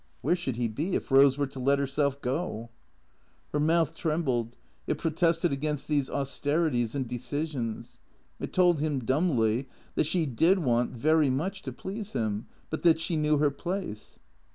(Where should he be if Eose were to let herself go?) Her mouth trembled, it protested against these austerities and decisions. It told him dumbly that she did want, very much, to please him; but that she knew her place.